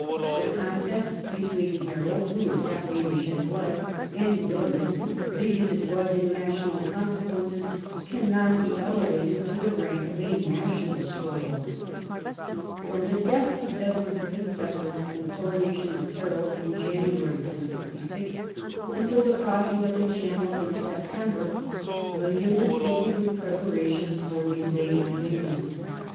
The contest between Harold, who was half Danish in blood, and William, big as it was in national consequences, cannot be elevated to the rank of a na tional struggle. NORMANDY AND ENGLAND 75 From the death of Edward the Confessor and the coronation of Harold, in January, 1066, until the cross ing of the Channel in September, William was busy with preparations for the invasion of England.